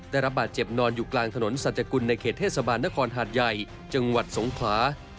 ได้รับบาดเจ็บนอนอยู่กลางถนนสัจกุลในเขตเทศบาลนครหาดใหญ่จังหวัดสงขลา